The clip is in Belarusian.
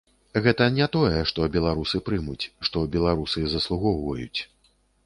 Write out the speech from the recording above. Гэта не тое, што беларусы прымуць, што беларусы заслугоўваюць.